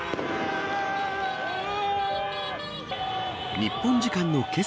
日本時間のけさ